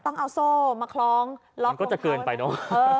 ต้องเอาโซ่มาคล้องมันก็จะเกินไปเนอะ